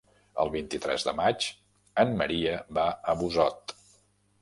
El vint-i-tres de maig en Maria va a Busot.